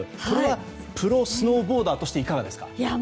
これはプロスノーボーダーとしていかがですか？